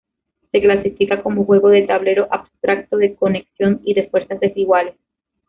Se clasifica como juego de tablero abstracto, de conexión y de fuerzas desiguales.